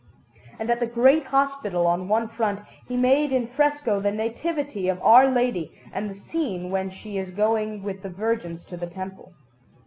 And at the great hospital, on one front, he made in fresco the Nativity of Our Lady and the scene when she is going with the virgins to the Temple.